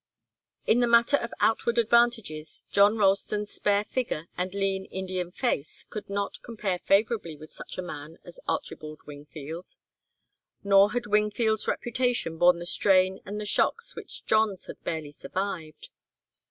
In the matter of outward advantages John Ralston's spare figure and lean, Indian face could not compare favourably with such a man as Archibald Wingfield. Nor had Wingfield's reputation borne the strain and the shocks which John's had barely survived.